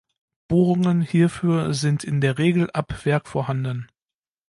Bohrungen hierfür sind in der Regel ab Werk vorhanden.